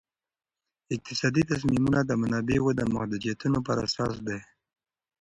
اقتصادي تصمیمونه د منابعو د محدودیتونو پر اساس دي.